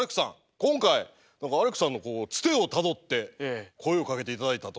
今回アレックさんのつてをたどって声をかけて頂いたと。